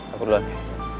aku duluan ya